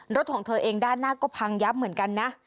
รถของเธอเองด้านหน้าก็พังยับเหมือนกันนะ